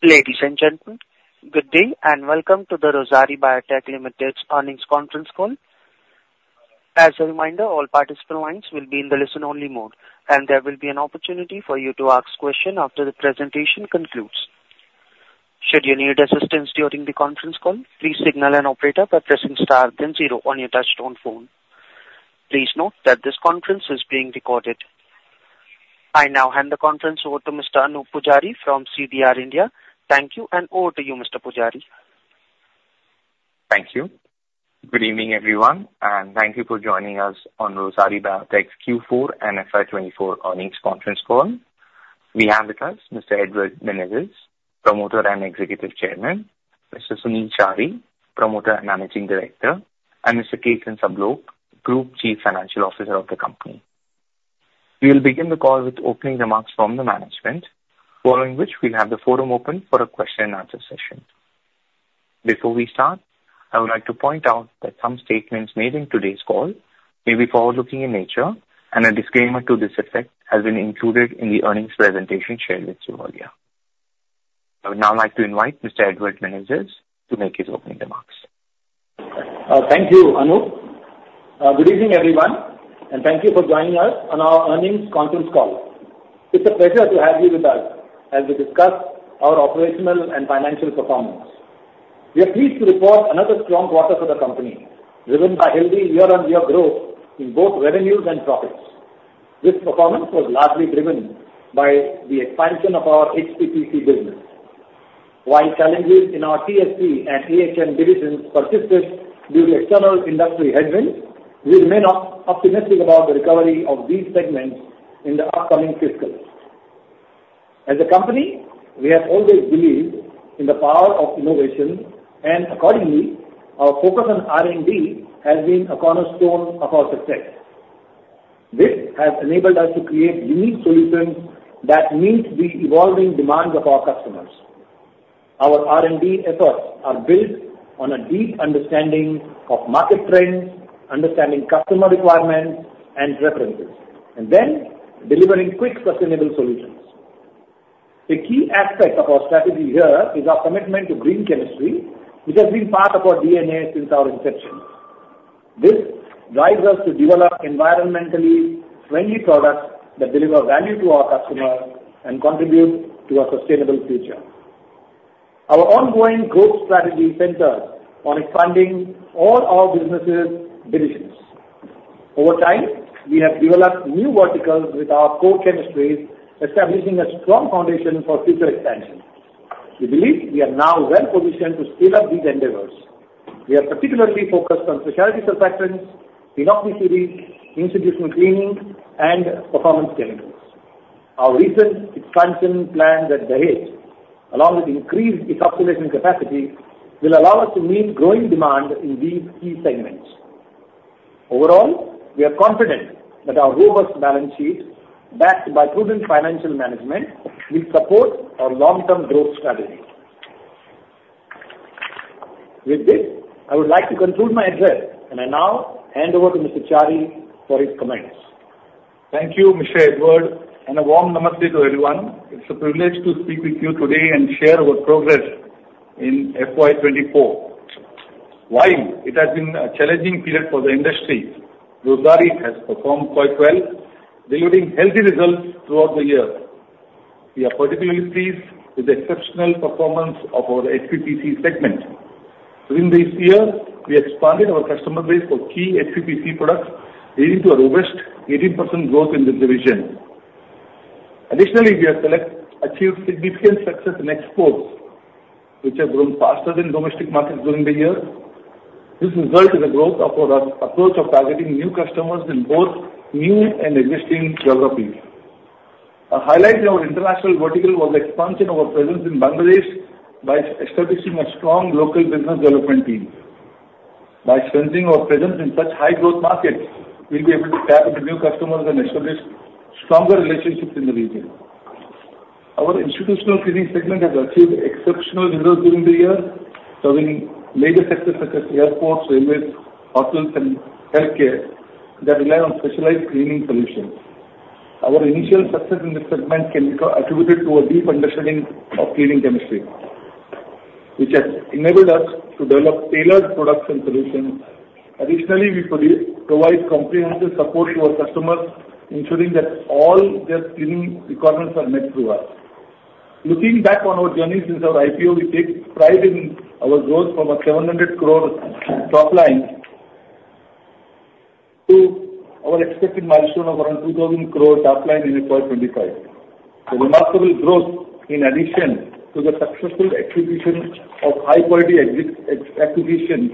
Ladies and gentlemen, good day, and welcome to the Rossari Biotech Limited's Earnings Conference Call. As a reminder, all participant lines will be in the listen-only mode, and there will be an opportunity for you to ask questions after the presentation concludes. Should you need assistance during the conference call, please signal an operator by pressing star then zero on your touchtone phone. Please note that this conference is being recorded. I now hand the conference over to Mr. Anoop Poojari from CDR India. Thank you, and over to you, Mr. Poojari. Thank you. Good evening, everyone, and thank you for joining us on Rossari Biotech's Q4 and FY 2024 earnings conference call. We have with us Mr. Edward Menezes, Promoter and Executive Chairman, Mr. Sunil Chari, Promoter and Managing Director, and Mr. Ketan Sablok, Group Chief Financial Officer of the company. We will begin the call with opening remarks from the management, following which we'll have the forum open for a question and answer session. Before we start, I would like to point out that some statements made in today's call may be forward-looking in nature, and a disclaimer to this effect has been included in the earnings presentation shared with you earlier. I would now like to invite Mr. Edward Menezes to make his opening remarks. Thank you, Anoop. Good evening, everyone, and thank you for joining us on our earnings conference call. It's a pleasure to have you with us as we discuss our operational and financial performance. We are pleased to report another strong quarter for the company, driven by healthy year-over-year growth in both revenues and profits. This performance was largely driven by the expansion of our HPPC business. While challenges in our TSC and AHN divisions persisted due to external industry headwinds, we remain optimistic about the recovery of these segments in the upcoming fiscal. As a company, we have always believed in the power of innovation, and accordingly, our focus on R&D has been a cornerstone of our success. This has enabled us to create unique solutions that meet the evolving demands of our customers. Our R&D efforts are built on a deep understanding of market trends, understanding customer requirements and preferences, and then delivering quick, sustainable solutions. A key aspect of our strategy here is our commitment to green chemistry, which has been part of our DNA since our inception. This drives us to develop environmentally friendly products that deliver value to our customers and contribute to a sustainable future. Our ongoing growth strategy centers on expanding all our businesses' divisions. Over time, we have developed new verticals with our core chemistries, establishing a strong foundation for future expansion. We believe we are now well-positioned to scale up these endeavors. We are particularly focused on specialty surfactants, insecticides, institutional cleaning, and performance chemicals. Our recent expansion plan at Dahej, along with increased decolorization capacity, will allow us to meet growing demand in these key segments. Overall, we are confident that our robust balance sheet, backed by prudent financial management, will support our long-term growth strategy. With this, I would like to conclude my address, and I now hand over to Mr. Chari for his comments. Thank you, Mr. Edward, and a warm namaste to everyone. It's a privilege to speak with you today and share our progress in FY 2024. While it has been a challenging period for the industry, Rossari has performed quite well, delivering healthy results throughout the year. We are particularly pleased with the exceptional performance of our HPPC segment. During this year, we expanded our customer base for key HPPC products, leading to a robust 18% growth in this division. Additionally, we have achieved significant success in exports, which have grown faster than domestic markets during the year. This is due to the growth of our approach of targeting new customers in both new and existing geographies. A highlight in our international vertical was the expansion of our presence in Bangladesh by establishing a strong local business development team. By strengthening our presence in such high-growth markets, we'll be able to tap into new customers and establish stronger relationships in the region. Our institutional cleaning segment has achieved exceptional growth during the year, serving major sectors such as airports, railways, hotels, and healthcare that rely on specialized cleaning solutions. Our initial success in this segment can be attributed to a deep understanding of cleaning chemistry, which has enabled us to develop tailored products and solutions. Additionally, we provide comprehensive support to our customers, ensuring that all their cleaning requirements are met through us. Looking back on our journey since our IPO, we take pride in our growth from 700 crore top line to our expected milestone of around 2,000 crore top line in FY 2025. The remarkable growth, in addition to the successful execution of high-quality existing acquisitions,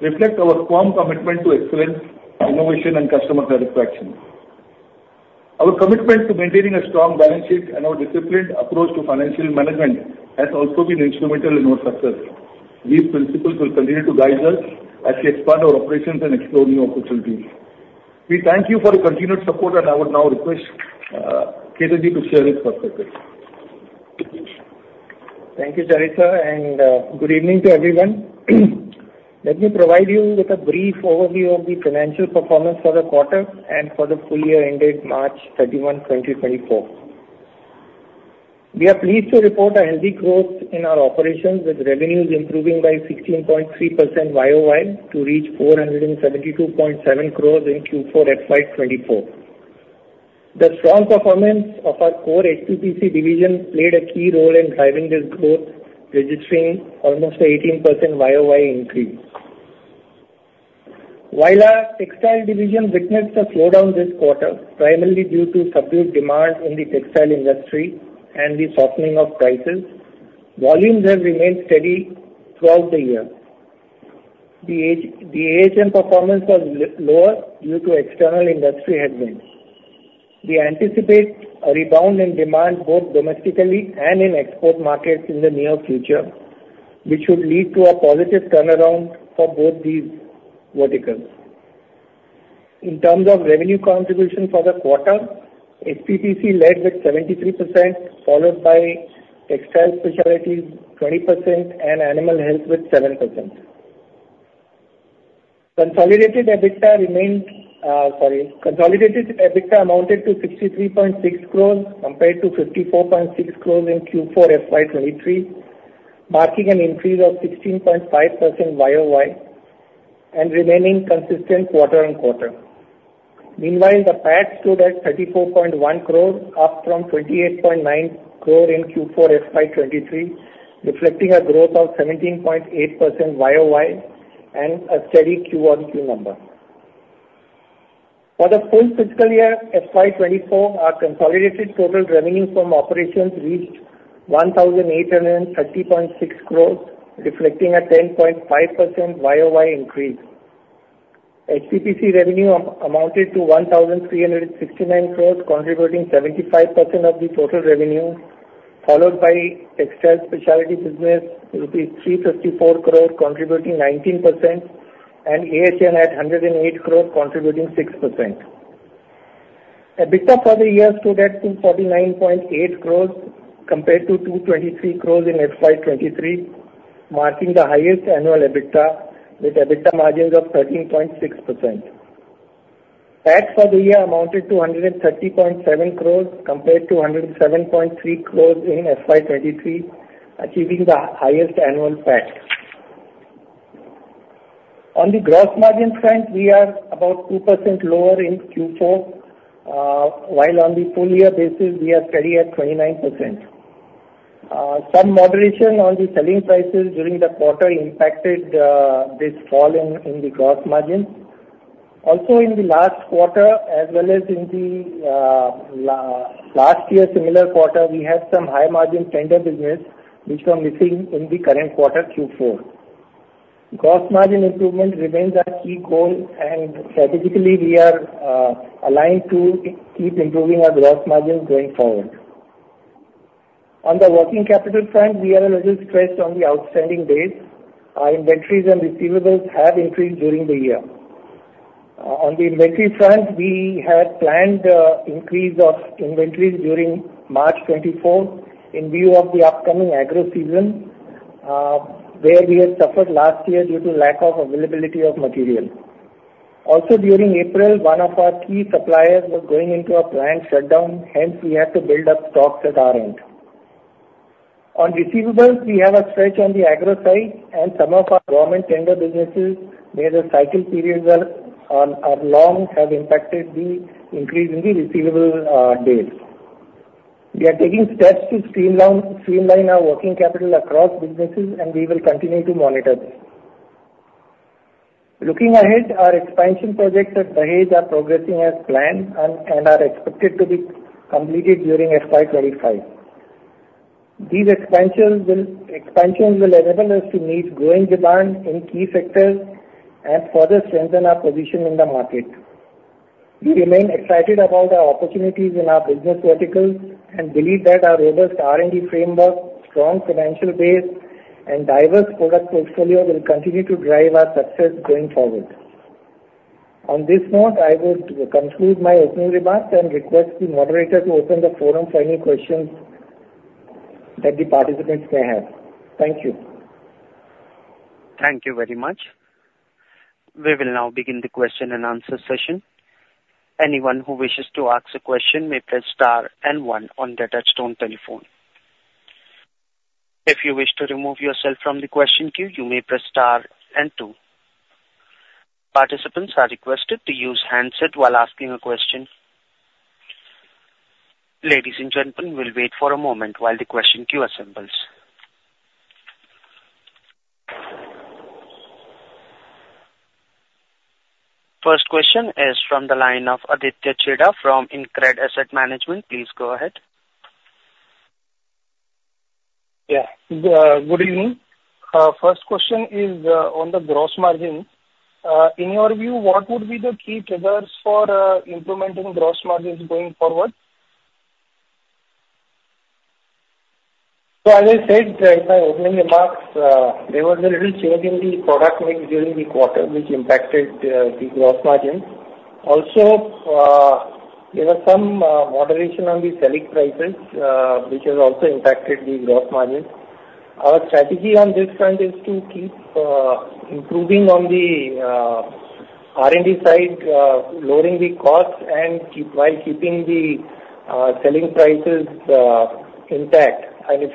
reflect our strong commitment to excellence, innovation, and customer satisfaction. Our commitment to maintaining a strong balance sheet and our disciplined approach to financial management has also been instrumental in our success. These principles will continue to guide us as we expand our operations and explore new opportunities. We thank you for your continued support, and I would now request, Ketan to share his perspectives. Thank you, Chari, and good evening to everyone. Let me provide you with a brief overview of the financial performance for the quarter and for the full year ended March 31, 2024. We are pleased to report a healthy growth in our operations, with revenues improving by 16.3% YOY to reach 472.7 crores in Q4 FY 2024. The strong performance of our core HPPC division played a key role in driving this growth, registering almost 18% YOY increase. While our textile division witnessed a slowdown this quarter, primarily due to subdued demand in the textile industry and the softening of prices, volumes have remained steady throughout the year. The AHN performance was lower due to external industry headwinds. We anticipate a rebound in demand, both domestically and in export markets in the near future, which should lead to a positive turnaround for both these verticals. In terms of revenue contribution for the quarter, HPPC led with 73%, followed by Textile Specialty 20%, and Animal Health with 7%. Consolidated EBITDA amounted to 63.6 crores compared to 54.6 crores in Q4 FY 2023, marking an increase of 16.5% YOY and remaining consistent quarter-on-quarter. Meanwhile, the PAT stood at 34.1 crores, up from 28.9 crore in Q4 FY 2023, reflecting a growth of 17.8% YOY and a steady QoQ number. For the full fiscal year, FY 2024, our consolidated total revenue from operations reached 1,830.6 crores, reflecting a 10.5% YOY increase. HPPC revenue amounted to 1,369 crores, contributing 75% of the total revenue, followed by Textile Specialty business, rupees 354 crore, contributing 19%, and AHN at 108 crores, contributing 6%. EBITDA for the year stood at 249.8 crores compared to 223 crores in FY 2023, marking the highest annual EBITDA, with EBITDA margins of 13.6%. PAT for the year amounted to 130.7 crores compared to 107.3 crores in FY 2023, achieving the highest annual PAT. On the gross margin front, we are about 2% lower in Q4, while on the full year basis, we are steady at 29%. Some moderation on the selling prices during the quarter impacted this fall in the gross margin. Also, in the last quarter, as well as in the last year, similar quarter, we had some high-margin tender business which were missing in the current quarter, Q4. Gross margin improvement remains our key goal, and strategically, we are aligned to keep improving our gross margins going forward. On the working capital front, we are a little stressed on the outstanding days. Our inventories and receivables have increased during the year. On the inventory front, we had planned increase of inventories during March 2024 in view of the upcoming agro season, where we had suffered last year due to lack of availability of material. Also, during April, one of our key suppliers was going into a planned shutdown, hence we had to build up stocks at our end. On receivables, we have a stretch on the agro side and some of our government tender businesses, where the cycle periods are long, have impacted the increase in the receivable days. We are taking steps to streamline our working capital across businesses, and we will continue to monitor this. Looking ahead, our expansion projects at Dahej are progressing as planned and are expected to be completed during FY 2025. These expansions will enable us to meet growing demand in key sectors and further strengthen our position in the market. We remain excited about the opportunities in our business verticals and believe that our robust R&D framework, strong financial base, and diverse product portfolio will continue to drive our success going forward. On this note, I would conclude my opening remarks and request the moderator to open the forum for any questions that the participants may have. Thank you. Thank you very much. We will now begin the question-and-answer session. Anyone who wishes to ask a question may press star and one on their touchtone telephone. If you wish to remove yourself from the question queue, you may press star and two. Participants are requested to use handset while asking a question. Ladies and gentlemen, we'll wait for a moment while the question queue assembles. First question is from the line of Aditya Chheda from InCred Asset Management. Please go ahead. Yeah. Good evening. First question is, on the gross margin. In your view, what would be the key triggers for implementing gross margins going forward? So as I said in my opening remarks, there was a little change in the product mix during the quarter, which impacted the gross margin. Also, there was some moderation on the selling prices, which has also impacted the gross margin. Our strategy on this front is to keep improving on the R&D side, lowering the costs and keeping the selling prices intact, and if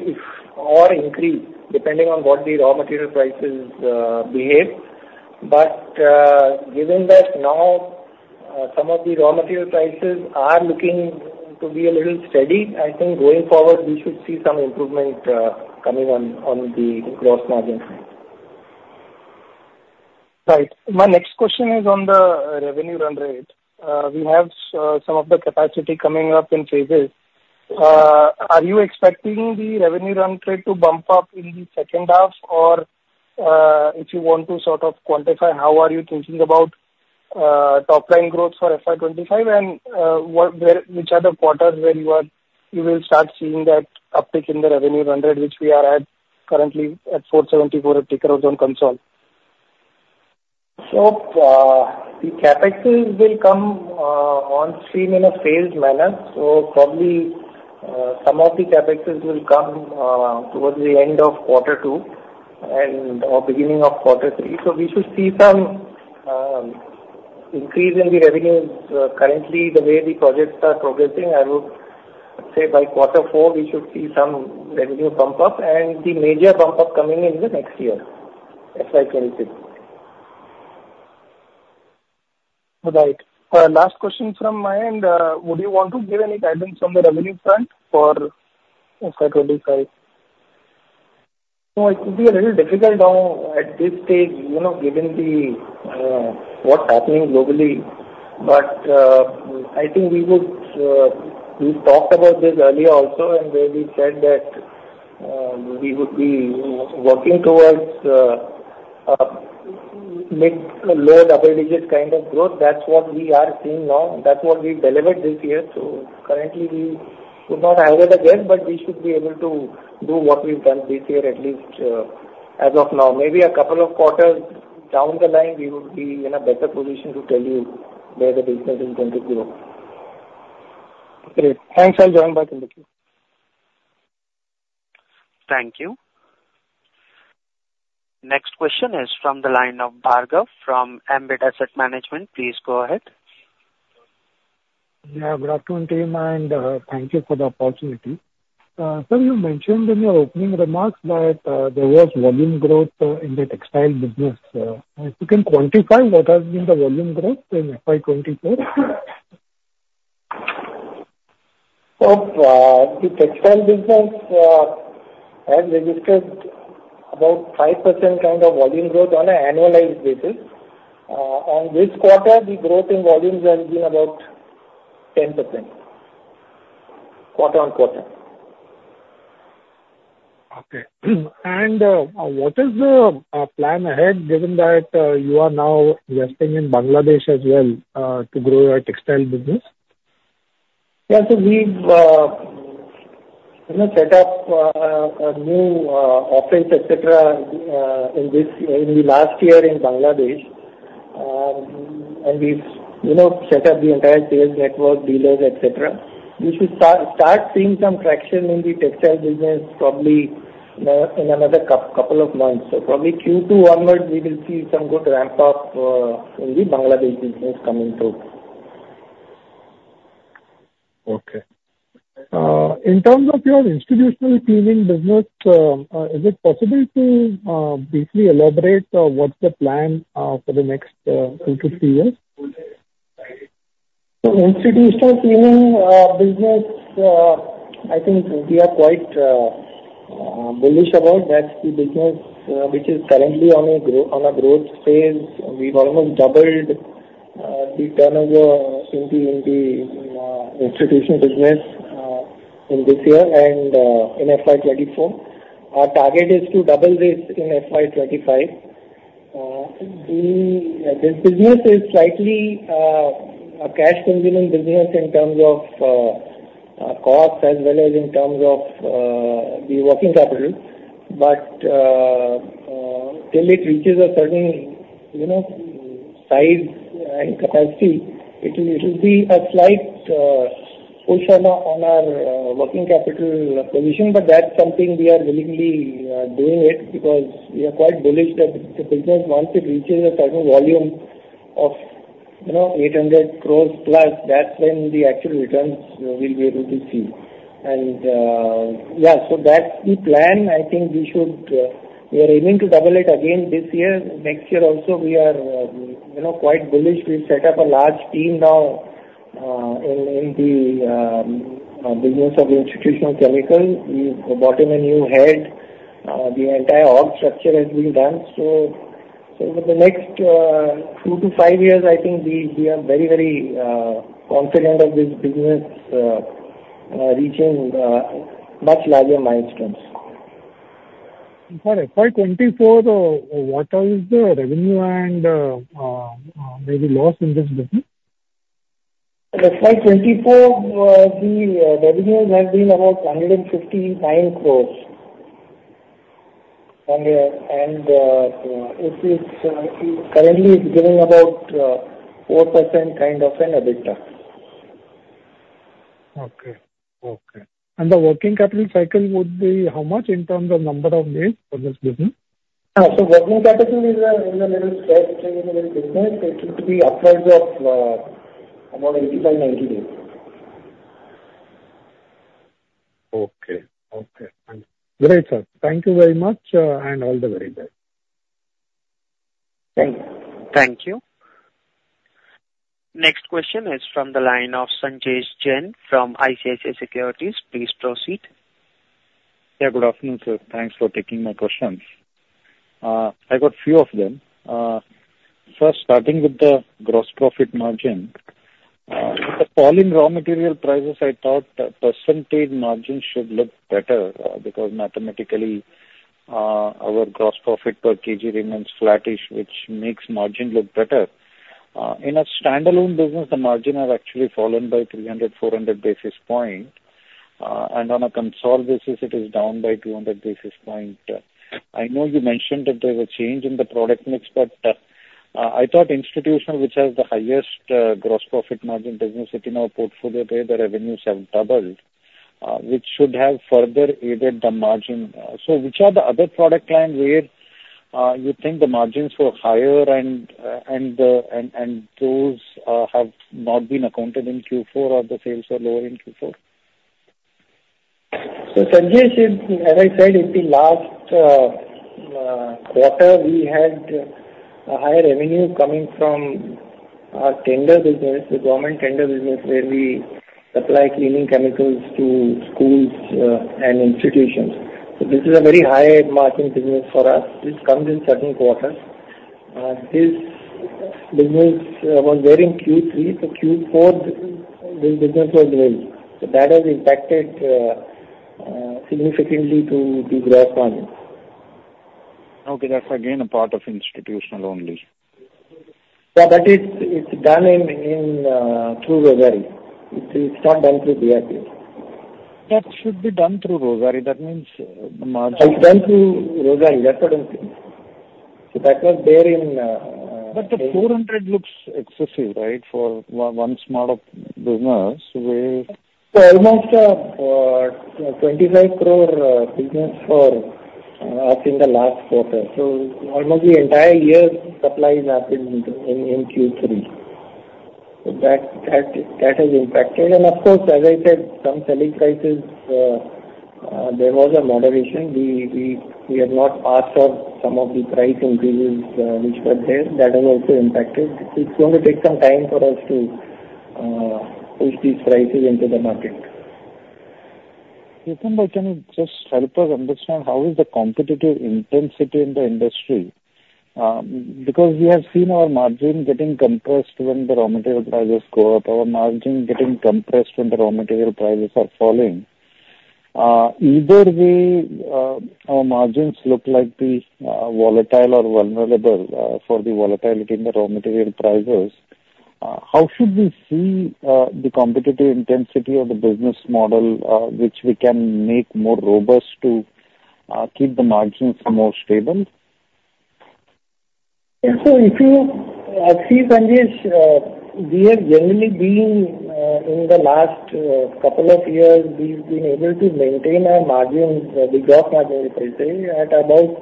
or increase, depending on what the raw material prices behave. But given that now, some of the raw material prices are looking to be a little steady, I think going forward, we should see some improvement coming on the gross margin side. Right. My next question is on the revenue run rate. We have some of the capacity coming up in phases. Are you expecting the revenue run rate to bump up in the second half? Or, if you want to sort of quantify, how are you thinking about top line growth for FY 25? And what, where, which are the quarters where you will start seeing that uptick in the revenue run rate, which we are currently at 474 at ticker zone console? The CapEx will come on stream in a phased manner, so probably some of the CapEx will come towards the end of quarter two and or beginning of quarter three. So we should see some increase in the revenues. Currently, the way the projects are progressing, I would say by quarter four, we should see some revenue bump up, and the major bump up coming in the next year, FY 2026. Right. Last question from my end. Would you want to give any guidance on the revenue front for FY 2025? No, it could be a little difficult now at this stage, you know, given the, what's happening globally. But, I think we would, we've talked about this earlier also, and where we said that, we would be working towards, mid, low double-digit kind of growth. That's what we are seeing now, and that's what we delivered this year. So currently, we would not hide it again, but we should be able to do what we've done this year, at least, as of now. Maybe a couple of quarters down the line, we would be in a better position to tell you where the business is going to grow. Great. Thanks, I'll join back in the queue. Thank you. Next question is from the line of Bhargav from Ambit Asset Management. Please go ahead. Yeah, good afternoon, team, and thank you for the opportunity. Sir, you mentioned in your opening remarks that there was volume growth in the textile business. If you can quantify, what has been the volume growth in FY 2024? So, the textile business has registered about 5% kind of volume growth on an annualized basis. On this quarter, the growth in volumes has been about 10%, quarter-on-quarter. Okay. And what is the plan ahead, given that you are now investing in Bangladesh as well, to grow your textile business? Yeah, so we've, you know, set up a new office, et cetera, in the last year in Bangladesh. And we've, you know, set up the entire sales network, dealers, et cetera. We should start seeing some traction in the textile business, probably in another couple of months. So probably Q2 onwards, we will see some good ramp up in the Bangladesh business coming through. Okay. In terms of your institutional cleaning business, is it possible to briefly elaborate what's the plan for the next 2-3 years? Institutional cleaning business, I think we are quite bullish about that. The business, which is currently on a growth phase, we've almost doubled the turnover in the institutional business in this year and in FY 2024. Our target is to double this in FY 2025. This business is slightly a cash consuming business in terms of cost, as well as in terms of the working capital. But till it reaches a certain, you know, size and capacity, it will be a slight push on our working capital position, but that's something we are willingly doing it, because we are quite bullish that the business, once it reaches a certain volume of, you know, 800 crore+, that's when the actual returns we'll be able to see. And yeah, so that's the plan. I think we should we are aiming to double it again this year. Next year also, we are, you know, quite bullish. We've set up a large team now in the business of institutional chemical. We've brought in a new head. The entire org structure has been done. So over the next 2-5 years, I think we are very, very confident of this business reaching much larger milestones. For FY 2024, though, what is the revenue and maybe loss in this business? The FY 2024 revenues have been about 159 crore. It currently is giving about 4% kind of an EBITDA. Okay. Okay. And the working capital cycle would be how much in terms of number of days for this business? So working capital is in a little stretch in the business. It could be upwards of about 85-90 days. Okay, okay. And great, sir. Thank you very much, and all the very best. Thank you. Thank you. Next question is from the line of Sanjay Jain from ICICI Securities. Please proceed. Yeah, good afternoon, sir. Thanks for taking my questions. I got few of them. First, starting with the gross profit margin, with the fall in raw material prices, I thought the percentage margin should look better, because mathematically, our gross profit per kg remains flattish, which makes margin look better. In a standalone business, the margin has actually fallen by 300-400 basis point, and on a consolidated basis, it is down by 200 basis point. I know you mentioned that there's a change in the product mix, but I thought institutional, which has the highest, gross profit margin business within our portfolio, there the revenues have doubled, which should have further aided the margin. So which are the other product line where you think the margins were higher and those have not been accounted in Q4 or the sales are lower in Q4? So, Sanjay, as I said, in the last quarter, we had a higher revenue coming from our tender business, the government tender business, where we supply cleaning chemicals to schools and institutions. So this is a very high margin business for us, which comes in certain quarters. This business was there in Q3, so Q4, this business was well. So that has impacted significantly to gross margins. Okay, that's again a part of institutional only. Yeah, that is, it's done in through Rossari. It is not done through the JV. That should be done through Rossari. That means margin. It's done through Rossari, definitely. So that was there in. But the 400 looks excessive, right, for one small business where. So almost 25 crore business for us in the last quarter. So almost the entire year supply happened in Q3. So that has impacted. And of course, as I said, some selling prices there was a moderation. We have not passed on some of the price increases which were there. That has also impacted. It's going to take some time for us to push these prices into the market. Ketan, can you just help us understand how is the competitive intensity in the industry? Because we have seen our margin getting compressed when the raw material prices go up, our margin getting compressed when the raw material prices are falling. Either way, our margins look like the volatile or vulnerable for the volatility in the raw material prices. How should we see the competitive intensity of the business model which we can make more robust to keep the margins more stable? Yeah. So if you see, Sanjay, we have generally been in the last couple of years, we've been able to maintain our margins, the gross margins, I'd say, at about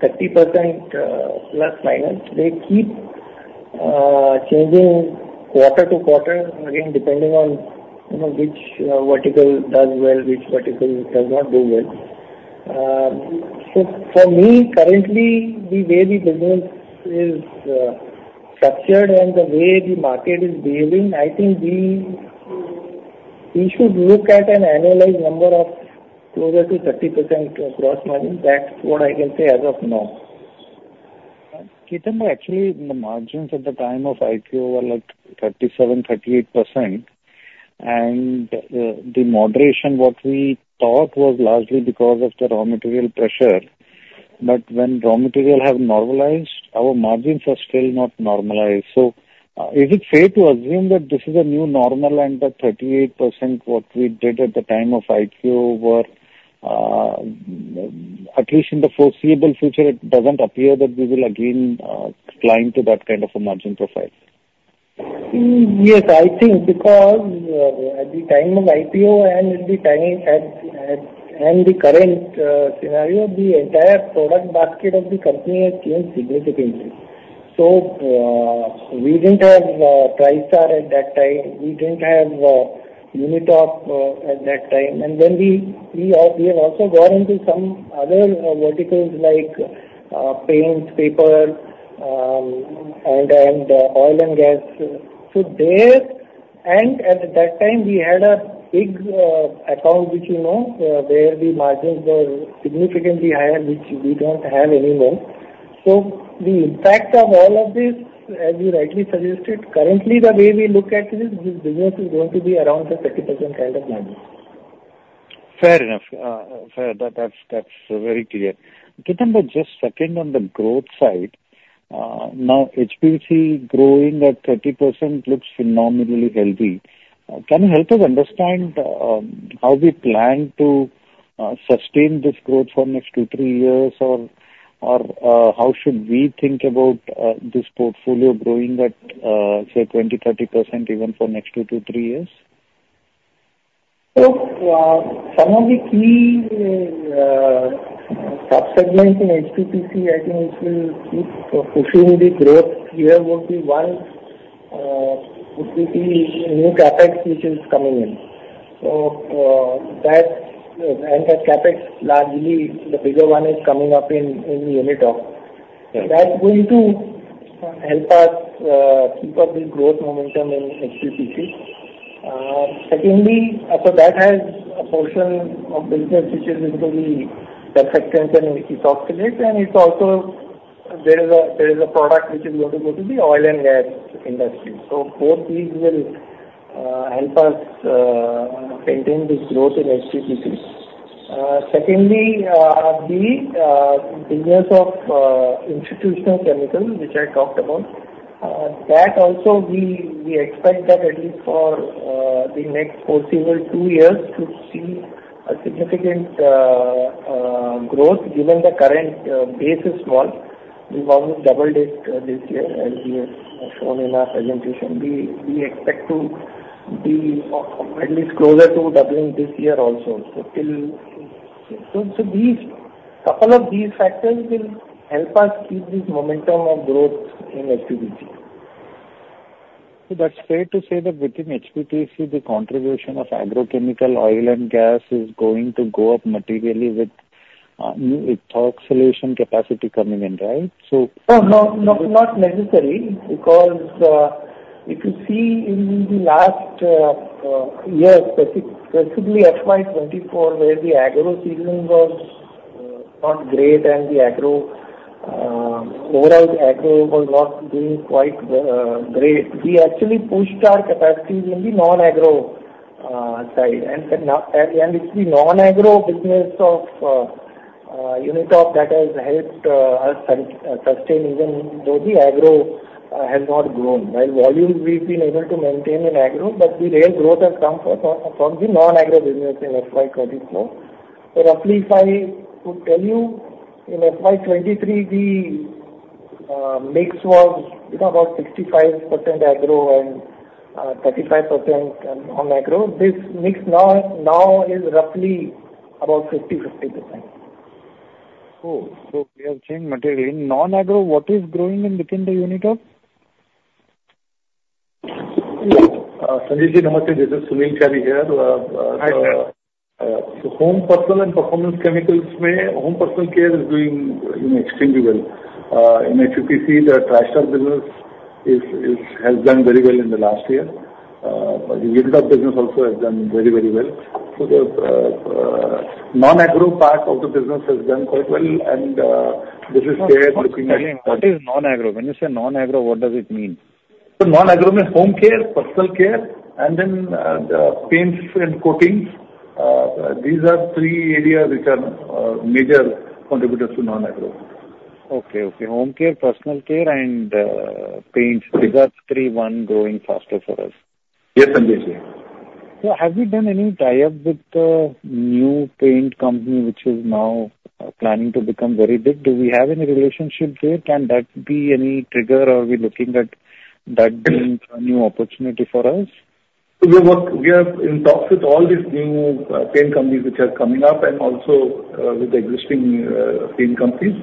30% plus minus. They keep changing quarter to quarter, again, depending on, you know, which vertical does well, which vertical does not do well. So for me, currently, the way the business is structured and the way the market is behaving, I think we, we should look at an annualized number of closer to 30% gross margin. That's what I can say as of now. Ketan, but actually, the margins at the time of IPO were like 37%-38%, and, the moderation, what we thought was largely because of the raw material pressure. But when raw material have normalized, our margins are still not normalized. So, is it fair to assume that this is a new normal and the 38% what we did at the time of IPO were, at least in the foreseeable future, it doesn't appear that we will again, climb to that kind of a margin profile? Yes, I think because at the time of IPO and in the time at the current scenario, the entire product basket of the company has changed significantly. So, we didn't have Tristar at that time. We didn't have Unitop at that time. And then we have also got into some other verticals like paints, paper, and oil and gas. So there, and at that time, we had a big account, which you know where the margins were significantly higher, which we don't have anymore. So the impact of all of this, as you rightly suggested, currently, the way we look at it is, this business is going to be around the 30% kind of margin. Fair enough. Fair. That's very clear. Ketan, but just second on the growth side. Now HPPC growing at 30% looks phenomenally healthy. Can you help us understand how we plan to sustain this growth for next 2-3 years? Or how should we think about this portfolio growing at say 20%-30% even for next 2-3 years? So, some of the key, sub-segments in HPPC, I think which will keep pushing the growth here would be, one, would be the new CapEx, which is coming in. So, that and the CapEx, largely the bigger one, is coming up in, in Unitop. Yes. That's going to help us keep up the growth momentum in HPPC. Secondly, so that has a portion of business which is into the perfume and ethoxylates, and there is also a product which is going to go to the oil and gas industry. So both these will help us maintain this growth in HPPC. Secondly, the business of institutional chemical, which I talked about, that also we expect that at least for the next foreseeable two years to see a significant growth. Given the current base is small, we've almost doubled it this year, as we have shown in our presentation. We expect to be at least closer to doubling this year also. So till. So, couple of these factors will help us keep this momentum of growth in HPPC. So that's fair to say that within HPPC, the contribution of agrochemical, oil and gas is going to go up materially with new ethoxylation capacity coming in, right? So. No, no, not necessarily, because if you see in the last year, specifically FY 2024, where the agro season was not great and the agro overall agro was not doing quite great. We actually pushed our capacities in the non-agro side, and it's the non-agro business of Unitop that has helped us sustain, even though the agro has not grown. While volumes we've been able to maintain in agro, but the real growth has come from the non-agro business in FY 2024. Roughly, if I could tell you, in FY 2023, the mix was, you know, about 65% agro and 35% non-agro. This mix now is roughly about 50/50%. Oh, so we have changed materially. In non-agro, what is growing in the Unitop? Sanjay, this is Sunil Chari here. Hi. So home, personal and performance chemicals, home personal care is doing, you know, extremely well. In HPPC, the Tristar business has done very well in the last year. But the Unitop business also has done very, very well. So the non-agro part of the business has done quite well, and this is here looking at- What is non-agro? When you say non-agro, what does it mean? So non-agro means home care, personal care, and then, the paints and coatings. These are three areas which are, major contributors to non-agro. Okay, okay. Home care, personal care, and paints. These are three, one growing faster for us. Yes, Sanjay ji. Have you done any tie-up with the new paint company, which is now planning to become very big? Do we have any relationship there? Can that be any trigger, or are we looking at that being a new opportunity for us? So we are in talks with all these new paint companies which are coming up and also with the existing paint companies.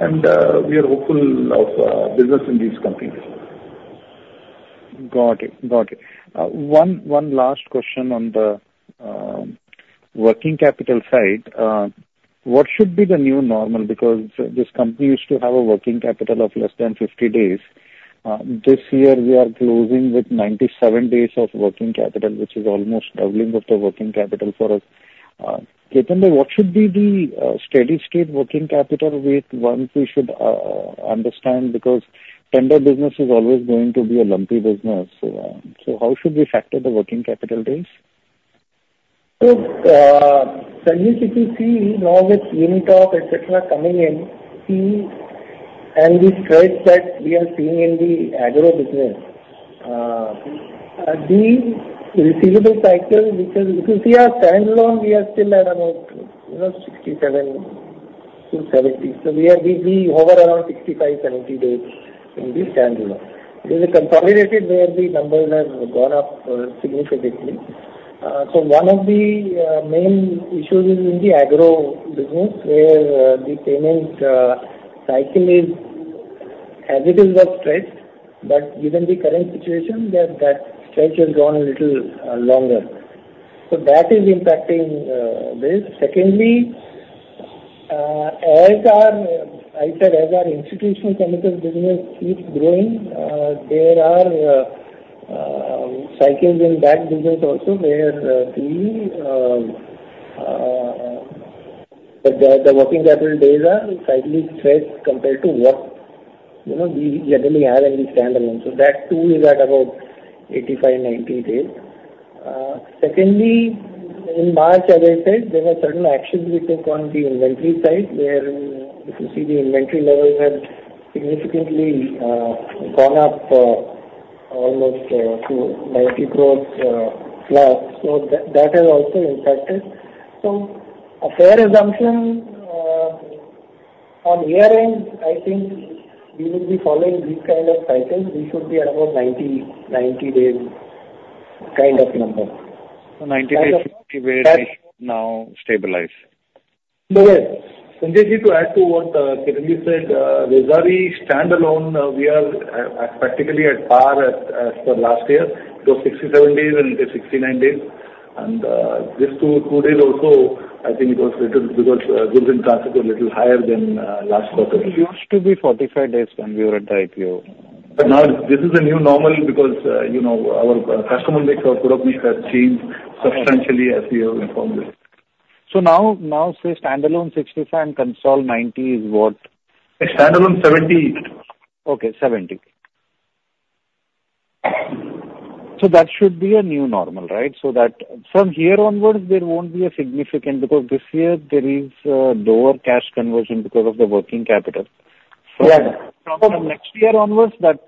We are hopeful of business in these companies. Got it, got it. One, one last question on the working capital side. What should be the new normal? Because this company used to have a working capital of less than 50 days. This year, we are closing with 97 days of working capital, which is almost doubling of the working capital for us. Ketan, what should be the steady state working capital with once we should understand? Because tender business is always going to be a lumpy business. So how should we factor the working capital days? So, Sanjay, if you see now with Unitop, et cetera, coming in, see, and the strength that we are seeing in the agro business, the receivable cycle, because if you see our standalone, we are still at about, you know, 67-70. So we are, we, we hover around 65-70 days in the standalone. In the consolidated where the numbers have gone up significantly. So one of the main issues is in the agro business, where the payment cycle is as it is was stretched, but given the current situation, that stretch has gone a little longer. So that is impacting this. Secondly, as our, I said, as our institutional chemicals business keeps growing, there are cycles in that business also where the, the working capital days are slightly stretched compared to what, you know, we generally have in the standalone. So that, too, is at about 85-90 days. Secondly, in March, as I said, there were certain actions we took on the inventory side, wherein if you see the inventory levels have significantly gone up, almost to 90 crore plus. So that, that has also impacted. So a fair assumption, on year-end, I think we will be following this kind of cycle. We should be at about 90-90 days kind of number. So, 90 days now stabilize. Sanjay, to add to what, Ketan said, regarding standalone, we are, practically at par as, as per last year. It was 67 days, and it is 69 days. And, these 2, 2 days also, I think it was little because, goods in transit were little higher than, last quarter. It used to be 45 days when we were at the IPO. But now this is the new normal because, you know, our customer mix of product mix has changed substantially as we have informed you. So now say standalone 65 and consolidated 90 is what? Standalone, 70. Okay, 70. So that should be a new normal, right? So that from here onwards, there won't be a significant because this year there is lower cash conversion because of the working capital. Yeah. From next year onwards, that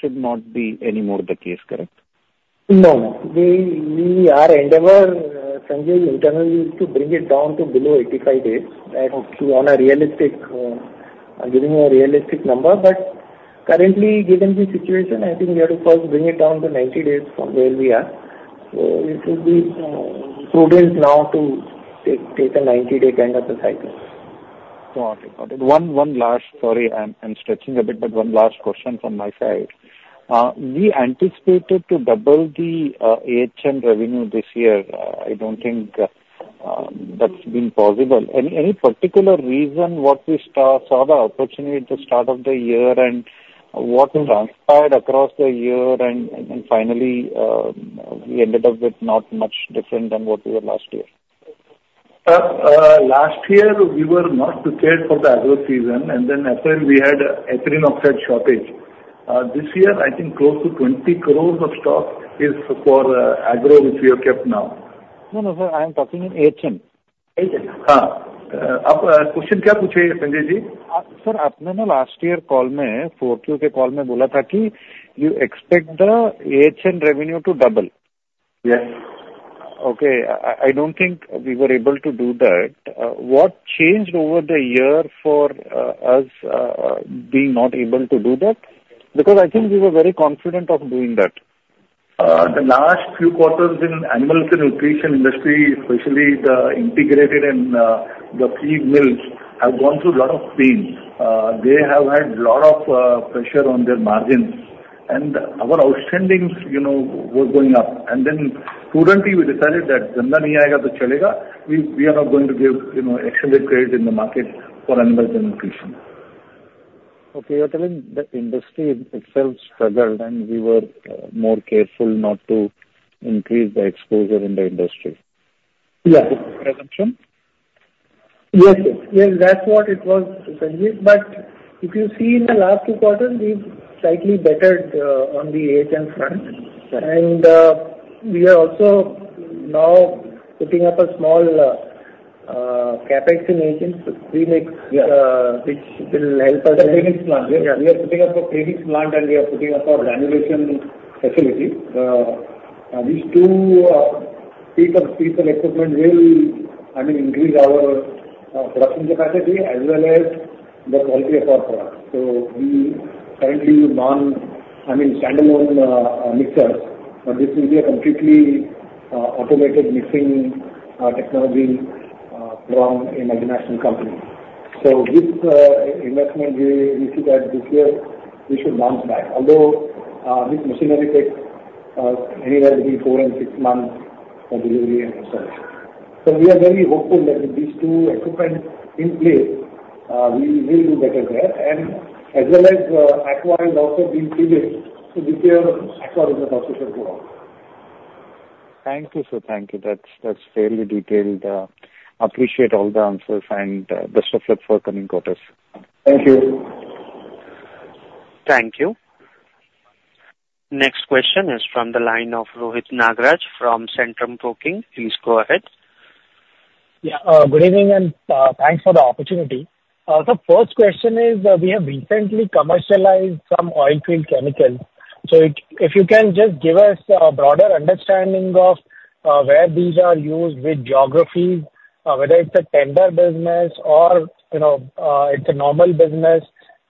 should not be any more the case, correct? No. Our endeavor, Sanjay, internally, is to bring it down to below 85 days. And hopefully on a realistic, I'm giving you a realistic number, but currently, given the situation, I think we have to first bring it down to 90 days from where we are. So it would be prudent now to take a 90-day kind of a cycle. Got it. Got it. One last... Sorry, I'm stretching a bit, but one last question from my side. We anticipated to double the AHN revenue this year. I don't think that's been possible. Any particular reason what we saw the opportunity at the start of the year and what transpired across the year, and finally, we ended up with not much different than what we were last year? Last year, we were not prepared for the agro season, and then as well, we had ethylene oxide shortage. This year, I think close to 20 crore of stock is for agro, which we have kept now. No, no, sir, I am talking in AHN. AHN. Sanjay Ji. Sir, last year call me, fourth year call me, you expect the AHN revenue to double? Yes. Okay. I don't think we were able to do that. What changed over the year for us being not able to do that? Because I think we were very confident of doing that. The last few quarters in animals and nutrition industry, especially the integrated and the feed mills, have gone through a lot of pains. They have had lot of pressure on their margins, and our outstandings, you know, were going up. And then prudently, we decided that we are not going to give, you know, extended credit in the market for animals and nutrition. Okay. You're telling the industry itself struggled, and we were more careful not to increase the exposure in the industry? Yeah. Presumption? Yes, sir. Yes, that's what it was, Sanjay. But if you see in the last two quarters, we've slightly bettered on the AHN front. Right. We are also now putting up a small CapEx in AHN, so premix. Yeah. Which will help us. The premix plant. Yeah. We are putting up a premix plant, and we are putting up a granulation facility. These two pieces of equipment will, I mean, increase our production capacity as well as the quality of our product. So we currently... I mean, standalone mixers, but this will be a completely automated mixing technology from a multinational company. So with investment, we see that this year we should bounce back, although this machinery takes anywhere between four and six months for delivery and installation. So we are very hopeful that with these two pieces of equipment in place, we will do better there. And as well as, Aqua is also being cleared, so with their Aqua is in the process as well. Thank you, sir. Thank you. That's, that's fairly detailed. Appreciate all the answers and, best of luck for coming quarters. Thank you. Thank you. Next question is from the line of Rohit Nagraj from Centrum Broking. Please go ahead. Yeah, good evening, and thanks for the opportunity. So first question is, we have recently commercialized some oil field chemicals. If you can just give us a broader understanding of where these are used, which geographies, whether it's a tender business or, you know, it's a normal business,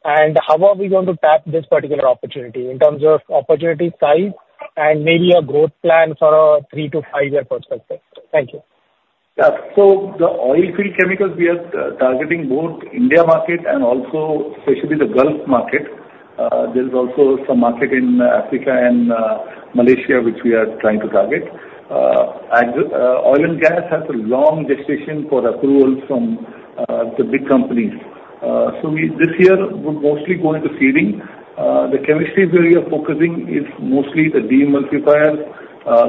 and how are we going to tap this particular opportunity in terms of opportunity size and maybe a growth plan for a three- to five-year perspective? Thank you. Yeah. So the oil field chemicals, we are targeting both India market and also especially the Gulf market. There's also some market in Africa and Malaysia, which we are trying to target. And oil and gas has a long gestation for approval from the big companies. So we, this year, we're mostly going to seeding. The chemistry where we are focusing is mostly the demulsifier,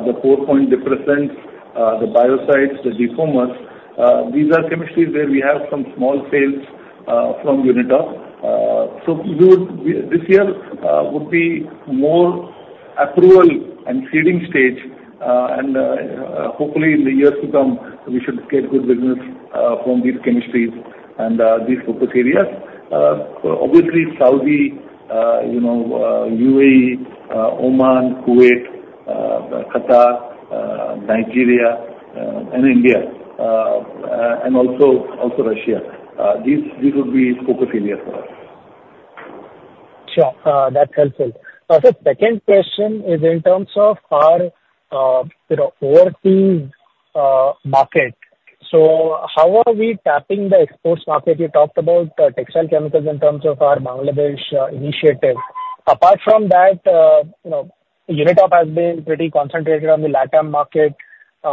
the pour point depressant, the biocides, the defoamers. These are chemistries where we have some small sales from Unitop. So we would, this year, would be more approval and seeding stage, and hopefully in the years to come, we should get good business from these chemistries and these focus areas. Obviously, Saudi, you know, UAE, Oman, Kuwait, Qatar, Nigeria, and India, and also Russia. These would be focus areas for us. Sure. That's helpful. The second question is in terms of our, you know, overseas market. So how are we tapping the exports market? You talked about textile chemicals in terms of our Bangladesh initiative. Apart from that, you know, Unitop has been pretty concentrated on the LatAm market. You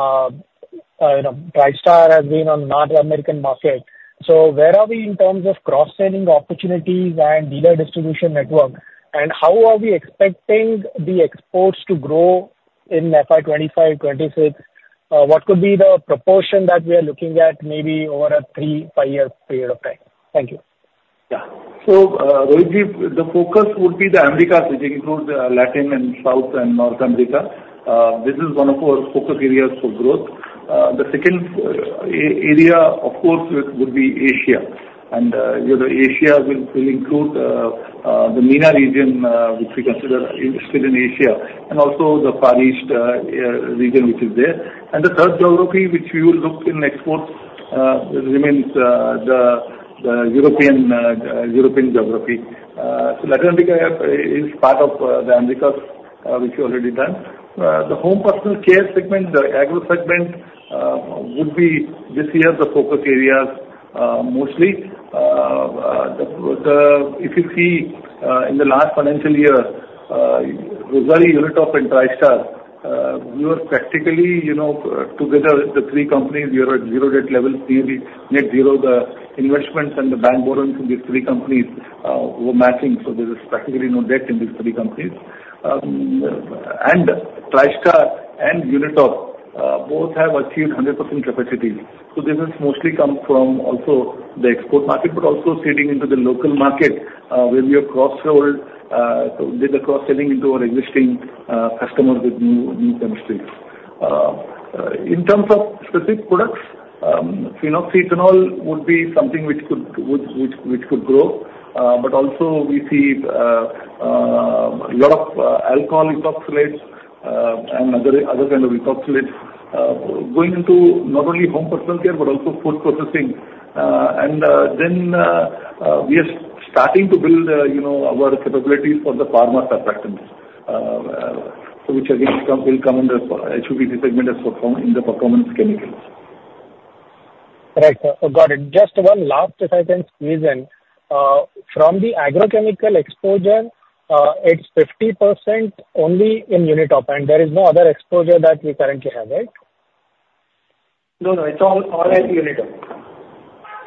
know, Tristar has been on North American market. So where are we in terms of cross-selling opportunities and dealer distribution network? And how are we expecting the exports to grow in FY 2025, 2026? What could be the proportion that we are looking at, maybe over a three- to five-year period of time? Thank you. Yeah. So, Rohitji, the focus would be the Americas, which includes Latin and South and North America. This is one of our focus areas for growth. The second area, of course, would be Asia. And, you know, Asia will include the MENA region, which we consider still in Asia, and also the Far East region, which is there. And the third geography, which we will look in exports, remains the European geography. So Latin America is part of the Americas, which we already done. The home personal care segment, the agro segment, would be, this year, the focus areas, mostly. The. If you see, in the last financial year, Rossari, Unitop and Tristar, we were practically, you know, together, the three companies, we are at zero debt level. We net zero the investments and the bank loans in these three companies were matching, so there is practically no debt in these three companies. And Tristar and Unitop both have achieved 100% capacity. So this has mostly come from also the export market, but also seeding into the local market, where we have cross-sold, did the cross-selling into our existing customers with new chemistries. In terms of specific products, phenoxyethanol would be something which could grow. But also we see a lot of alcohol ethoxylates and other kind of ethoxylates going into not only home personal care, but also food processing. And we are starting to build, you know, our capabilities for the pharma surfactants, which again will come under; it should be the segment of performance chemicals. Right. Got it. Just one last, if I can squeeze in. From the agrochemical exposure, it's 50% only in Unitop, and there is no other exposure that we currently have, right? No, no, it's all, all at Unitop.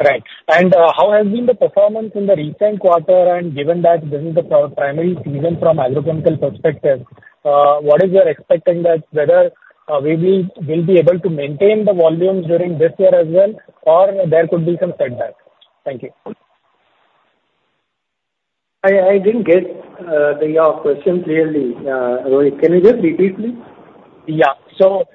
Right. And, how has been the performance in the recent quarter? And given that this is the primary season from agrochemical perspective, what is your expecting that whether we will, we'll be able to maintain the volumes during this year as well, or there could be some setback? Thank you. I didn't get your question clearly, Rohit. Can you just repeat, please? Yeah. So,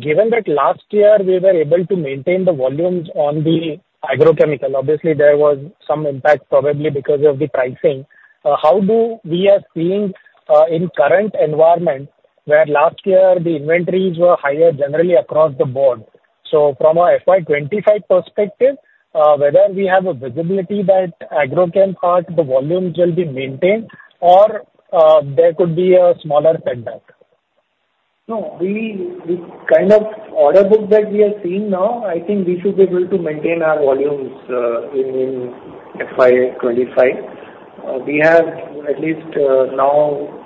given that last year we were able to maintain the volumes on the agrochemical, obviously there was some impact, probably because of the pricing. How do we are seeing, in current environment, where last year the inventories were higher generally across the board. So from a FY 2025 perspective, whether we have a visibility that agrochem part, the volumes will be maintained or, there could be a smaller setback. No, the kind of order book that we are seeing now, I think we should be able to maintain our volumes in FY 25. We have at least now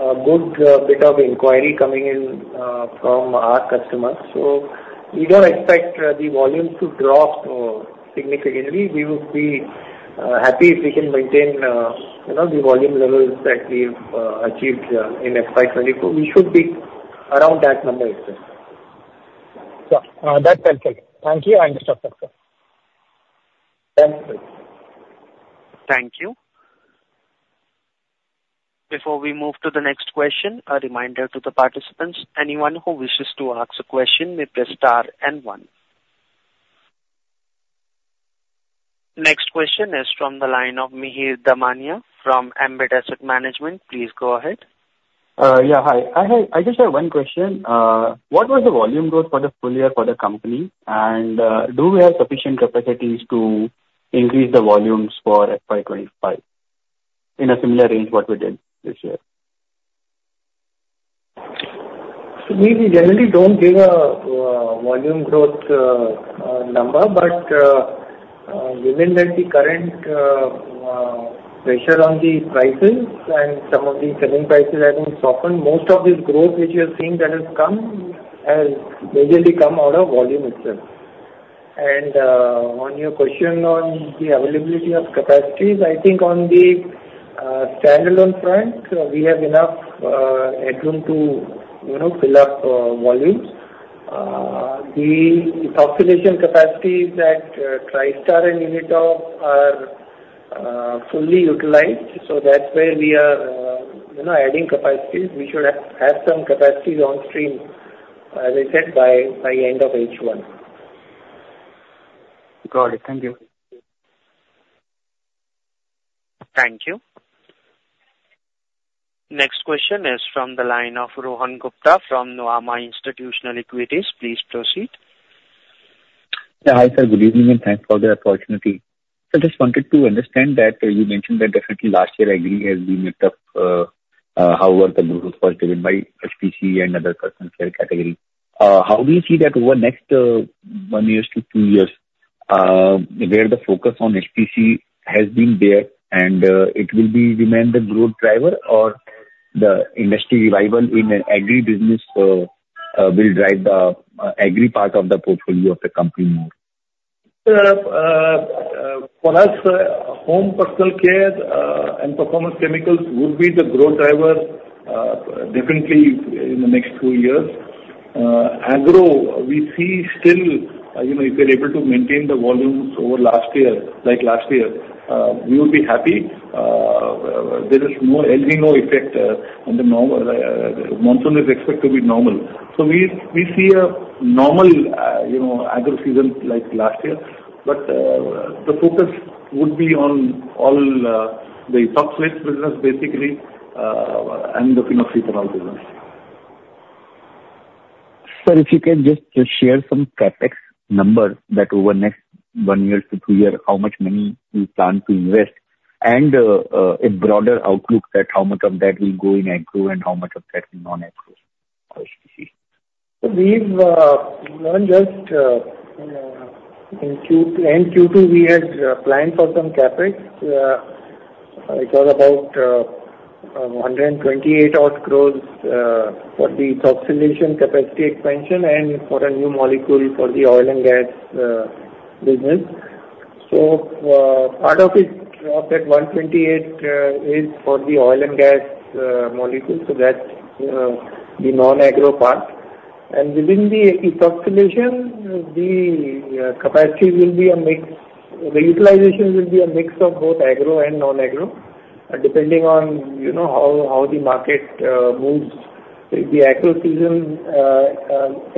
a good bit of inquiry coming in from our customers, so we don't expect the volumes to drop significantly. We would be happy if we can maintain, you know, the volume levels that we've achieved in FY 22. We should be around that number itself. Yeah. That's helpful. Thank you. I understand, sir. Thank you. Thank you. Before we move to the next question, a reminder to the participants, anyone who wishes to ask a question, may press star and one. Next question is from the line of Mihir Damania from Ambit Asset Management. Please go ahead. Yeah, hi. I just have one question. What was the volume growth for the full year for the company? And, do we have sufficient capacities to increase the volumes for FY 25 in a similar range what we did this year? So we generally don't give a volume growth number. But given that the current pressure on the prices and some of the selling prices have been softened, most of the growth which you have seen that has come has majorly come out of volume itself.... on your question on the availability of capacities, I think on the standalone front, we have enough headroom to, you know, fill up volumes. The ethoxylation capacity that Tristar and Unitop are fully utilized, so that's where we are, you know, adding capacities. We should have some capacities on stream, as I said, by end of H1. Got it. Thank you. Thank you. Next question is from the line of Rohan Gupta from Nuvama Institutional Equities. Please proceed. Yeah, hi, sir. Good evening, and thanks for the opportunity. I just wanted to understand that you mentioned that definitely last year, agri has been made up, how the growth was given by HPC and other personal care category. How do you see that over next one years to two years, where the focus on HPC has been there, and it will be remain the growth driver or the industry revival in agri business will drive the agri part of the portfolio of the company more? For us, home personal care and performance chemicals would be the growth driver, definitely in the next two years. Agro, we see still, you know, if we're able to maintain the volumes over last year, like last year, we will be happy. There is no El Niño effect on the monsoon; monsoon is expected to be normal. So we see a normal, you know, agro season like last year. But the focus would be on all the ethoxylate business, basically, and the phenoxyethanol business. Sir, if you can just, just share some CapEx numbers that over the next 1 year to 2 year, how much money you plan to invest and, a broader outlook that how much of that will go in agro and how much of that in non-agro HPC? So we've learned just in Q2, we had planned for some CapEx. It was about 128 crore for the ethoxylation capacity expansion and for a new molecule for the oil and gas business. So part of it, of that 128, is for the oil and gas molecule, so that's the non-agro part. And within the ethoxylation, the capacity will be a mix. The utilization will be a mix of both agro and non-agro, depending on, you know, how the market moves. If the agro season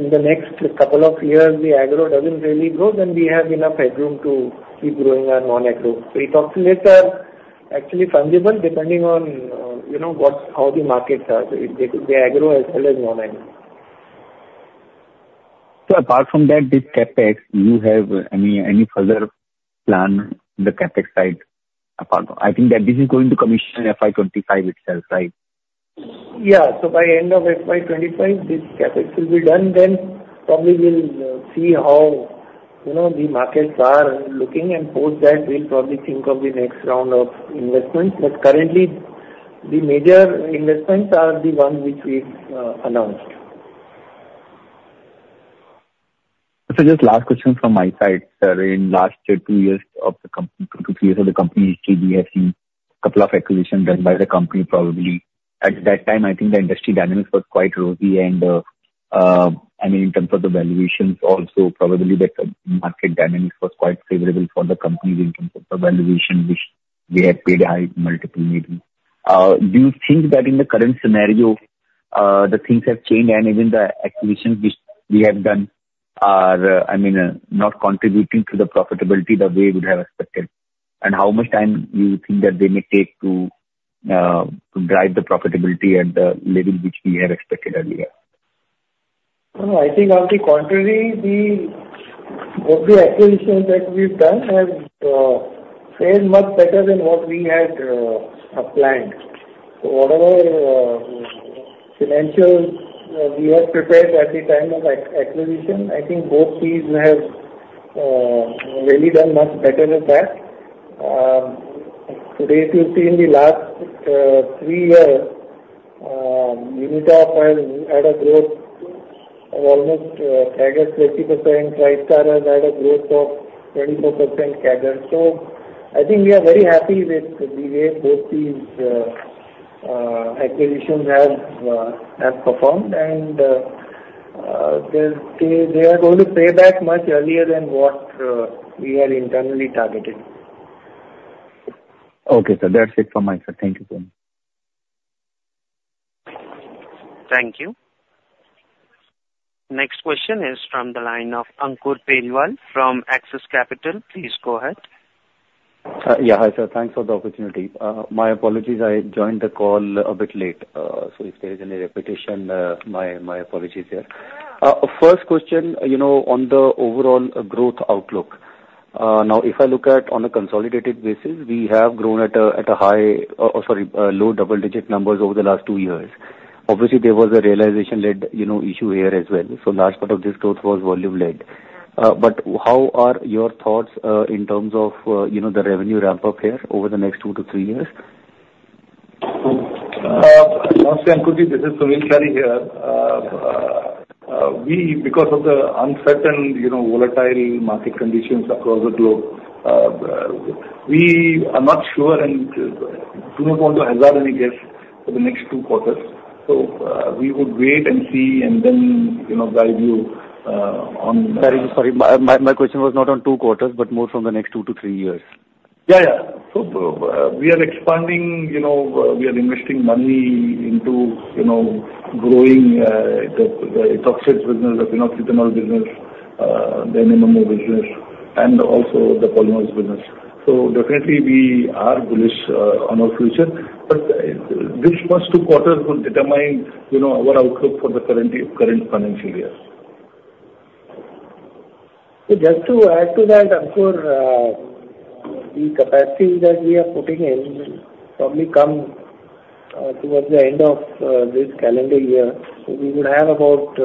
in the next couple of years, the agro doesn't really grow, then we have enough headroom to keep growing our non-agro. So ethoxylates are actually fungible, depending on, you know, what, how the markets are, the, the agro as well as non-agro. So apart from that, this CapEx, do you have any, any further plan on the CapEx side, apart from... I think that this is going to commission FY 2025 itself, right? Yeah. So by end of FY 2025, this CapEx will be done. Then probably we'll see how, you know, the markets are looking, and post that, we'll probably think of the next round of investments. But currently, the major investments are the ones which we've announced. Just last question from my side, sir. In last two years of the company, two to three years of the company history, we have seen a couple of acquisitions done by the company, probably. At that time, I think the industry dynamics was quite rosy and, I mean, in terms of the valuations also, probably the market dynamics was quite favorable for the company in terms of the valuation, which they had paid high multiple maybe. Do you think that in the current scenario, the things have changed and even the acquisitions which we have done are, I mean, not contributing to the profitability the way you would have expected? And how much time do you think that they may take to, to drive the profitability at the level which we had expected earlier? No, I think on the contrary, the, all the acquisitions that we've done have fared much better than what we had planned. So whatever, financials we had prepared at the time of acquisition, I think both these have really done much better than that. Today, if you see in the last three years, Unitop has had a growth of almost, I guess, 20%. Tristar has had a growth of 24% CAGR. So I think we are very happy with the way both these acquisitions have have performed, and, they, they are going to pay back much earlier than what we had internally targeted. Okay, sir. That's it from my side. Thank you, sir. Thank you. Next question is from the line of Ankur Periwal from Axis Capital. Please go ahead. Yeah, hi, sir. Thanks for the opportunity. My apologies, I joined the call a bit late. So if there is any repetition, my apologies there. First question, you know, on the overall growth outlook. Now, if I look at on a consolidated basis, we have grown at a high, sorry, low double-digit numbers over the last two years. Obviously, there was a realization-led, you know, issue here as well, so large part of this growth was volume-led. But how are your thoughts, in terms of, you know, the revenue ramp-up here over the next two to three years? This is Sunil Chari here. Because of the uncertain, you know, volatile market conditions across the globe, we are not sure and do not want to hazard any guess for the next two quarters. So, we would wait and see, and then, you know, guide you on- Sorry, my question was not on 2 quarters, but more from the next 2-3 years. Yeah, yeah. So, we are expanding, you know, we are investing money into, you know, growing the ethoxylate business, the ethanol business, the MEO business, and also the polymers business. So definitely, we are bullish on our future, but this first two quarters will determine, you know, our outlook for the currently, current financial year. So just to add to that, Ankur, the capacity that we are putting in will probably come towards the end of this calendar year. So we would have about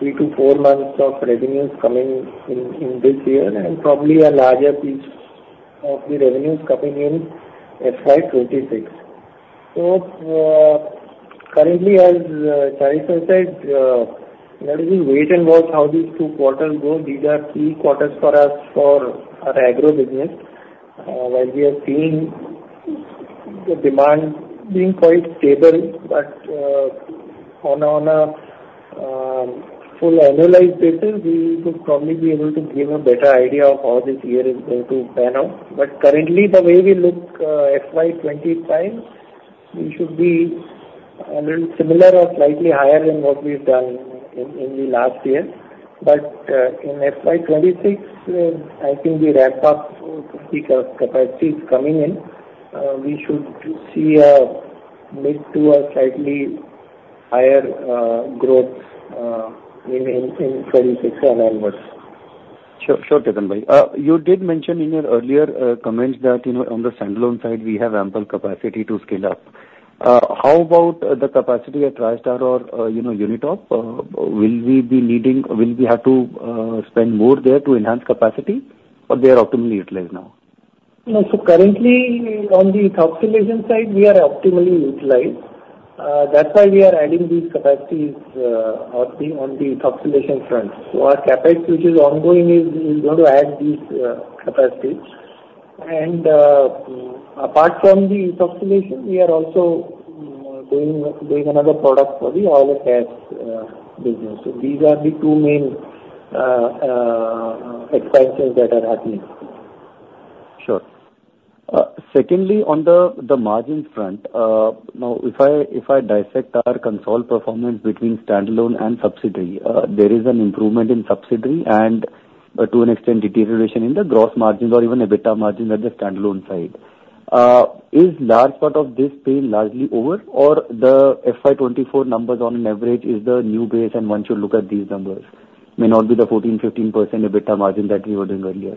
3-4 months of revenues coming in, in this year, and probably a larger piece of the revenues coming in FY 2026. So currently, as Chari sir said, let us wait and watch how these 2 quarters go. These are key quarters for us for our agro business. While we are seeing the demand being quite stable, but on a full annualized basis, we would probably be able to give a better idea of how this year is going to pan out. But currently, the way we look, FY 2025, we should be a little similar or slightly higher than what we've done in the last year. But in FY 2026, I think the ramp-up for the capacity is coming in. We should see a mid- to slightly higher growth in 2026 and onwards. Sure. Sure, Ketan bhai. You did mention in your earlier comments that, you know, on the standalone side, we have ample capacity to scale up. How about the capacity at Tristar or, you know, Unitop? Will we be needing-- Will we have to spend more there to enhance capacity, or they are optimally utilized now? No, so currently on the ethoxylation side, we are optimally utilized. That's why we are adding these capacities on the ethoxylation front. So our CapEx, which is ongoing, is going to add these capacities. And apart from the ethoxylation, we are also doing another product for the oils & fats business. So these are the two main expansions that are happening. Sure. Secondly, on the margin front, now, if I, if I dissect our consolidated performance between standalone and subsidiary, there is an improvement in subsidiary and, to an extent, deterioration in the gross margins or even EBITDA margins at the standalone side. Is large part of this pain largely over, or the FY 2024 numbers on an average is the new base and one should look at these numbers? May not be the 14%-15% EBITDA margin that we were doing earlier.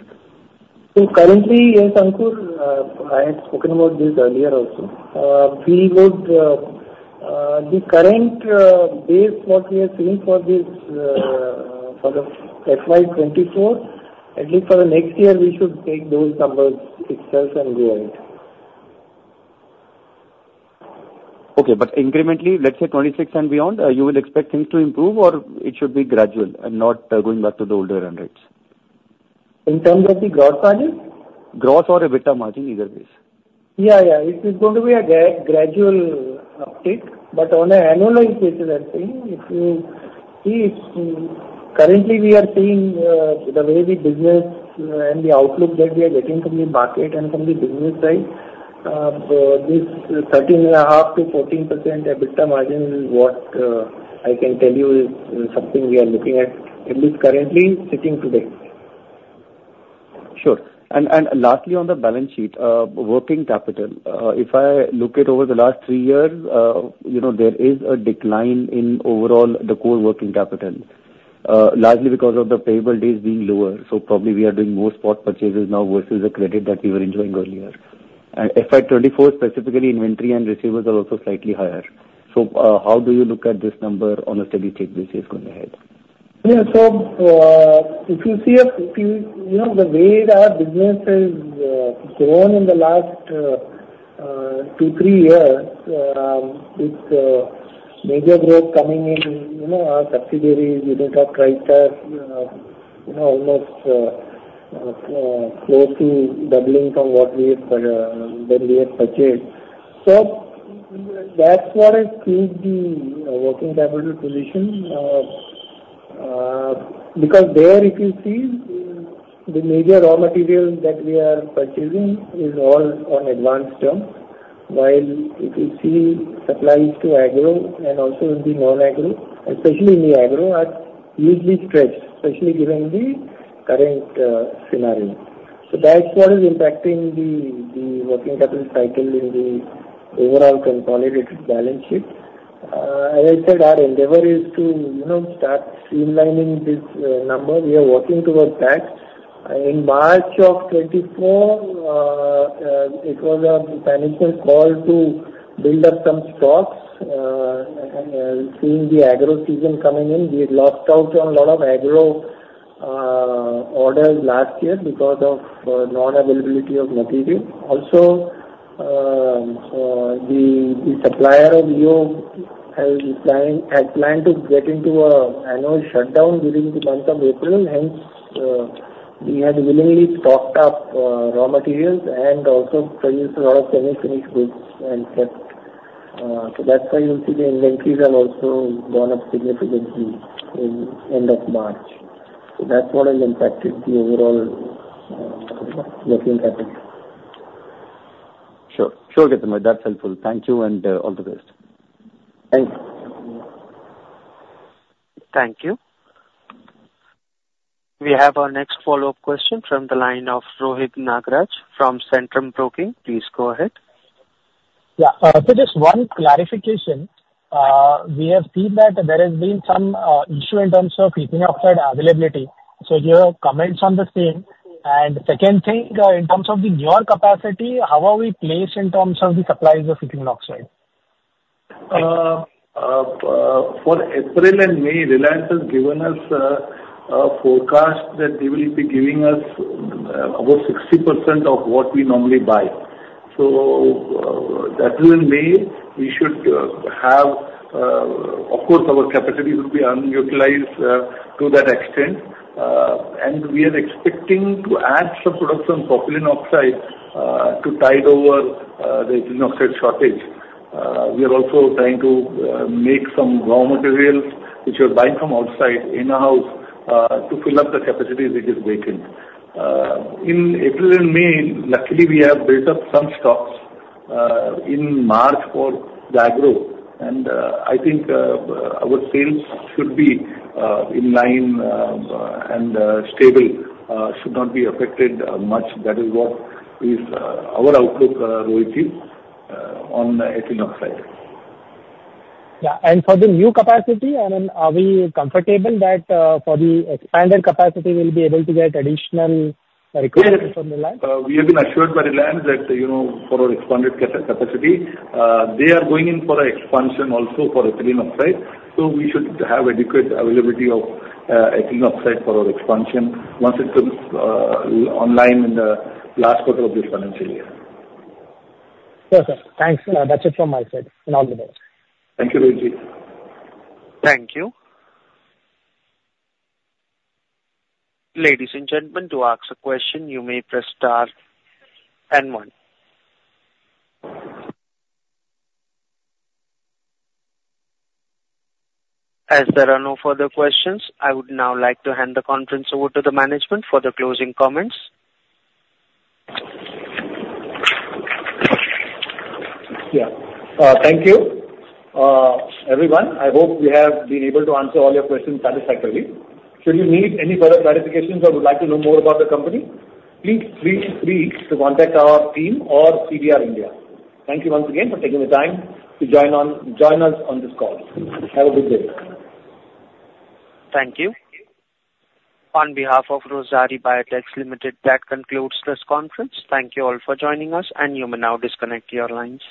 So currently, yes, Ankur, I had spoken about this earlier also. We would, the current, base what we are seeing for this, for the FY 2024, at least for the next year, we should take those numbers itself and weigh it. Okay. But incrementally, let's say 26 and beyond, you will expect things to improve, or it should be gradual and not going back to the older run rates? In terms of the gross margin? Gross or EBITDA margin, either ways. Yeah, yeah. It is going to be a gradual uptick, but on an annualized basis, I think if you see, currently we are seeing, the way the business, and the outlook that we are getting from the market and from the business side, this 13.5%-14% EBITDA margin is what, I can tell you is, something we are looking at, at least currently sitting today. Sure. And lastly, on the balance sheet, working capital. If I look at over the last three years, you know, there is a decline in overall the core working capital, largely because of the payable days being lower. So probably we are doing more spot purchases now versus the credit that we were enjoying earlier. And FY 2024, specifically, inventory and receivables are also slightly higher. So, how do you look at this number on a steady-state basis going ahead? Yeah. So, if you see a, if you... You know, the way that our business has grown in the last 2, 3 years, with major growth coming in, you know, our subsidiaries, Unitop, Tristar, you know, almost closely doubling from what we had pur- that we had purchased. So that's what has changed the working capital position, because there, if you see, the major raw materials that we are purchasing is all on advanced terms. While if you see supplies to agro and also in the non-agro, especially in the agro, are usually stretched, especially given the current scenario. So that's what is impacting the working capital cycle in the overall consolidated balance sheet. As I said, our endeavor is to, you know, start streamlining this number. We are working towards that. In March 2024, it was a financial call to build up some stocks. Seeing the agro season coming in, we had lost out on a lot of agro. Orders last year because of non-availability of material. Also, the supplier of EO had planned to get into an annual shutdown during the month of April, hence, we had willingly stocked up raw materials and also produced a lot of semi-finished goods and kept. So that's why you'll see the inventories have also gone up significantly in end of March. So that's what has impacted the overall material package. Sure. Sure, Ketan, that's helpful. Thank you, and all the best. Thank you. Thank you. We have our next follow-up question from the line of Rohit Nagaraj from Centrum Broking. Please go ahead. Yeah. So just one clarification. We have seen that there has been some issue in terms of ethylene oxide availability. So your comments on the same. And second thing, in terms of the newer capacity, how are we placed in terms of the supplies of ethylene oxide? For April and May, Reliance has given us a forecast that they will be giving us about 60% of what we normally buy. So, that will mean we should have. Of course, our capacity will be unutilized to that extent. And we are expecting to add some production propylene oxide to tide over the ethylene oxide shortage. We are also trying to make some raw materials, which we are buying from outside, in-house to fill up the capacity which is vacant. In April and May, luckily, we have built up some stocks in March for the agro. I think our sales should be in line and stable, should not be affected much. That is what our outlook is, Rohit, on ethylene oxide. Yeah, and for the new capacity, I mean, are we comfortable that, for the expanded capacity, we'll be able to get additional requirements from Reliance? Yes. We have been assured by Reliance that, you know, for our expanded capacity, they are going in for an expansion also for ethylene oxide, so we should have adequate availability of ethylene oxide for our expansion once it goes online in the last quarter of this financial year. Sure, sir. Thanks. That's it from my side, and all the best. Thank you, Rohit. Thank you. Ladies and gentlemen, to ask a question, you may press star and one. As there are no further questions, I would now like to hand the conference over to the management for the closing comments. Yeah. Thank you, everyone. I hope we have been able to answer all your questions satisfactorily. Should you need any further clarifications or would like to know more about the company, please feel free to contact our team or CDR India. Thank you once again for taking the time to join us on this call. Have a good day. Thank you. On behalf of Rossari Biotech Limited, that concludes this conference. Thank you all for joining us, and you may now disconnect your lines.